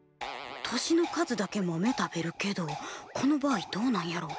年の数だけ豆食べるけどこの場合どうなんやろ？